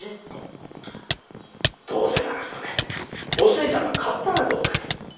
どうせならそれお寿恵ちゃんが買ったらどうかね？